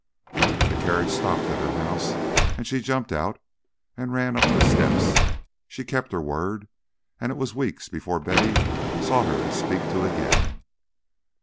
The carriage stopped at her house, and she jumped out and ran up the steps. She kept her word, and it was weeks before Betty saw her to speak to again.